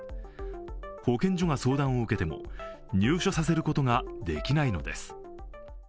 保健所が相談を受けても、入所させることができないのです。